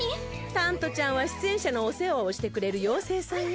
タントちゃんは出演者のお世話をしてくれる妖精さんよ。